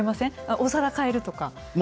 お皿変えるとか。